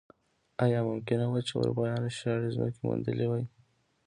ایا ممکنه وه چې اروپایانو شاړې ځمکې موندلی وای.